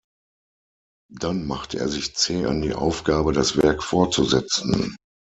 Dann machte er sich zäh an die Aufgabe, das Werk fortzusetzen.